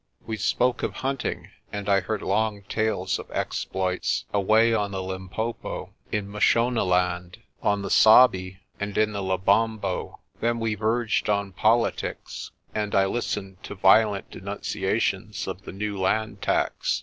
We spoke of hunting, and I heard long tales of exploits away on the Limpopo, in Mashonaland, on the Sabi and in the Lebombo. Then we verged on politics, and I listened to violent denunciations of the new land tax.